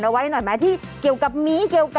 ใช้เมียได้ตลอด